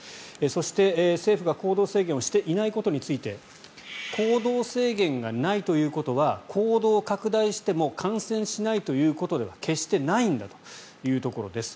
そして、政府が行動制限をしていないことについて行動制限がないということは行動を拡大しても感染しないということでは決してないんだというところです。